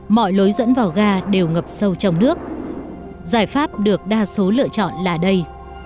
mọi lối dẫn vào ga đều ngập sâu trong nước giải pháp được đa số lựa chọn là đây